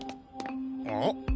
あっ。